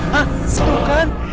hah seru kan